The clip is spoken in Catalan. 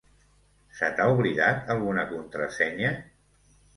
Se t'ha oblidat alguna contrasenya?